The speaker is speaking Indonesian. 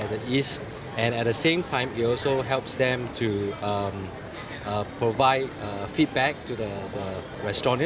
dan pada saat yang sama kita juga membantu mereka untuk memberikan feedback kepada restoran